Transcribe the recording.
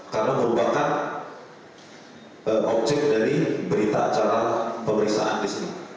karena merupakan objek dari berita acara pemeriksaan di sini